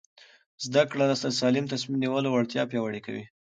زده کړه د سالم تصمیم نیولو وړتیا پیاوړې کوي.